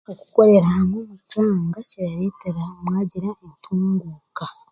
kukorera hamwe omu kyanga kirareetera mwagira entunguuka.